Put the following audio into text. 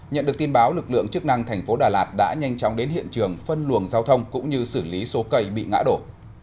nhận được tin báo lực lượng chức năng thành phố đà lạt đã nhanh chóng đến hiện trường phân luồng giao thông cũng như xử lý số cây bị ngã đổ